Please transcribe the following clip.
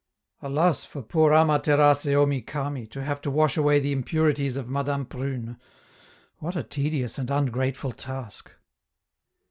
Alas for poor Ama Terace Omi Kami to have to wash away the impurities of Madame Prune! What a tedious and ungrateful task!!